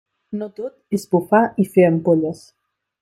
No tot és bufar i fer ampolles.